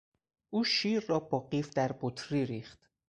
او شیر را با قیف در بطری ریخت.